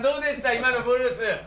今のブルース。